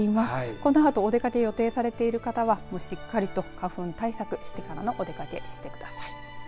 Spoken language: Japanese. このあとお出かけを予定されている方は花粉対策してからお出かけをしてください。